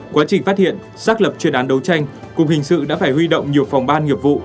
quá trình phát hiện xác lập chuyên án đấu tranh cục hình sự đã phải huy động nhiều phòng ban nghiệp vụ